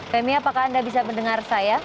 femi apakah anda bisa mendengar saya